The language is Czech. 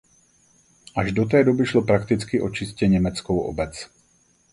Až do té doby šlo prakticky o čistě německou obec.